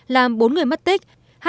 làm bốn người mất tích